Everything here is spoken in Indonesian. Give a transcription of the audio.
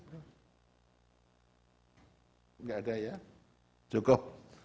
tidak ada ya cukup